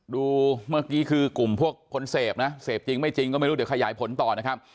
ดูเมื่อกี้คือกลุ่มพวกคนเสพนะเสพจริงไม่จริงก็ไม่รู้เดี๋ยวขยายผลต่อนะครับ